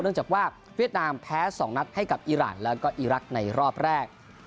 จากว่าเวียดนามแพ้๒นัดให้กับอีรานแล้วก็อีรักษ์ในรอบแรก